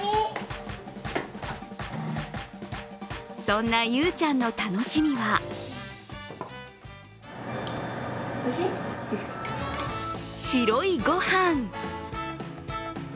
そんなゆうちゃんの楽しみは白いご飯。